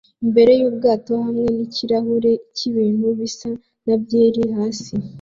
imbere yubwato hamwe nikirahure cyibintu bisa na byeri hafi